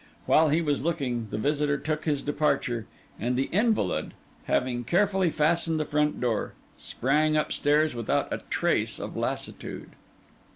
While he was still looking, the visitor took his departure; and the invalid, having carefully fastened the front door, sprang upstairs without a trace of lassitude.